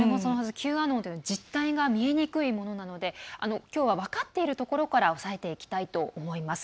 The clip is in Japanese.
Ｑアノン実態が見えにくいものなのできょうは分かっているところから押さえていきたいと思います。